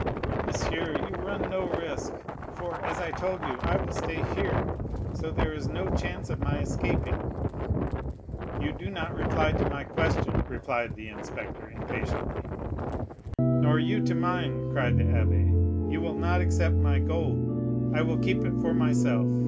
"Monsieur, you run no risk, for, as I told you, I will stay here; so there is no chance of my escaping." "You do not reply to my question," replied the inspector impatiently. "Nor you to mine," cried the abbé. "You will not accept my gold; I will keep it for myself.